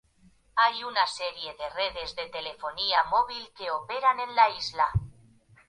Hay una serie de redes de telefonía móvil que operan en la isla.